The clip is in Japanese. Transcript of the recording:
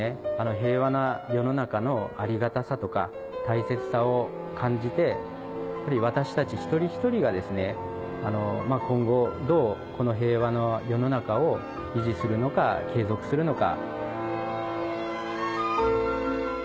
平和な世の中のありがたさとか大切さを感じて私たち一人一人がですね今後どうこの平和な世の中を維持するのか継続するのか。